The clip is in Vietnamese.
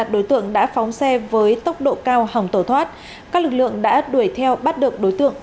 đối tượng đã phóng xe với tốc độ cao hồng tổ thoát các lực lượng đã đuổi theo bắt được đối tượng